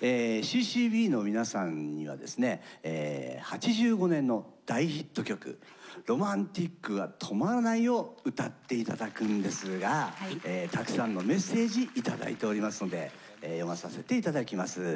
Ｃ−Ｃ−Ｂの皆さんにはですね８５年の大ヒット曲「Ｒｏｍａｎｔｉｃが止まらない」を歌って頂くんですがたくさんのメッセージ頂いておりますので読まさせて頂きます。